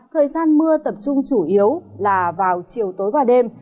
thời gian mưa tập trung chủ yếu là vào chiều tối và đêm